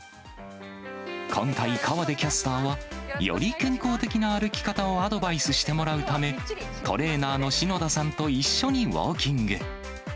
今回、河出キャスターはより健康的な歩き方をアドバイスしてもらうため、トレーナーの篠田さんと一緒にウォーキング。